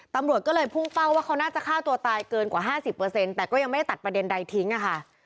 ตำรวจก็เลยพุ่งเป้าว่าเขาน่าจะฆ่าตัวตายเกินกว่า๕๐แต่ก็ยังไม่ได้ตัดประเด็นใดทิ้งค่ะ